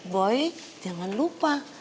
boy jangan lupa